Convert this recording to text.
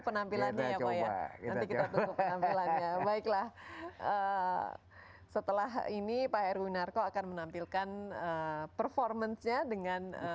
penampilan ya ya ya ya baiklah setelah ini pak heru winarko akan menampilkan performancenya dengan